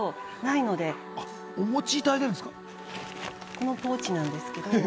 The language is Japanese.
このポーチなんですけど。